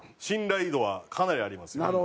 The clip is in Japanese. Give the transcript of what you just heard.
信頼度はかなりありますよ。